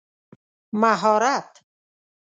مهارت